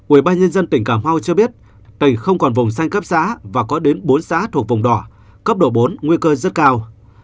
ubnd tỉnh cà mau cho biết tỉnh không còn vùng xanh cấp xã và có đến bốn xã thuộc vùng đỏ cấp độ bốn nguy cơ rất cao